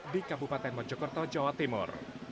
di kabupaten mojokerto jawa timur